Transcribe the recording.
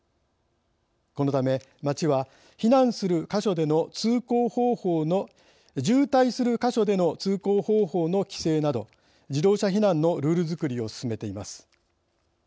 このため町は渋滞する箇所での通行方法の規制など自動車避難のルールづくりを進めています。